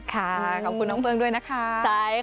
ขอบคุณน้องเฟิร์งด้วยนะคะ